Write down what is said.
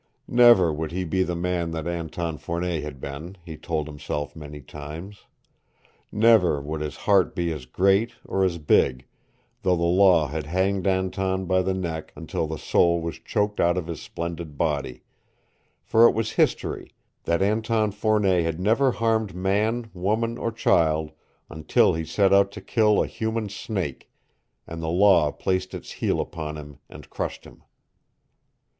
Never would he be the man that Anton Fournet had been, he told himself many times. Never would his heart be as great or as big, though the Law had hanged Anton by the neck until the soul was choked out of his splendid body, for it was history that Anton Fournet had never harmed man, woman, or child until he set out to kill a human snake and the Law placed its heel upon him and crushed him.